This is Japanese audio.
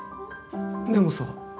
でもさ。